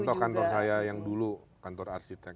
contoh kantor saya yang dulu kantor arsitek